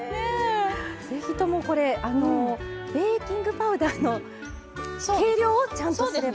ぜひともベーキングパウダーの計量をちゃんとすれば。